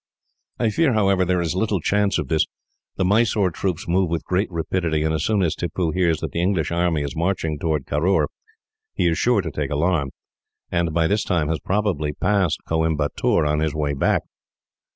"I fear, however, there is little chance of this. The Mysore troops move with great rapidity, and as soon as Tippoo hears that the English army is marching towards Caroor, he is sure to take the alarm, and by this time has probably passed Coimbatoor on his way back.